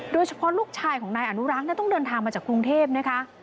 โดยเฉพาะลูกชายของนายอนุรักษ์เนี่ยต้องเดินทางมาจากกรุงเทพนะคะ